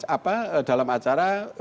apa dalam acara